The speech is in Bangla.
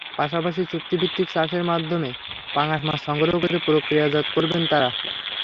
পাশাপাশি চুক্তিভিত্তিক চাষের মাধ্যমে পাঙাশ মাছ সংগ্রহ করে প্রক্রিয়াজাত করবেন তাঁরা।